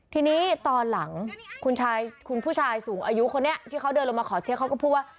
ทีนี้ตอนหลังคุณผู้ชายสูงอายุคนนี้ที่เขาเดินลงมาขอเช็คเขาก็พูดว่า